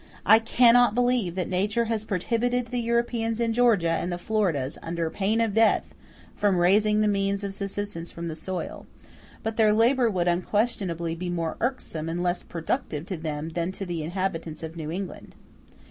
I cannot believe that nature has prohibited the Europeans in Georgia and the Floridas, under pain of death, from raising the means of subsistence from the soil, but their labor would unquestionably be more irksome and less productive to them than to the inhabitants of New England.